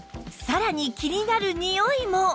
さらに気になるにおいも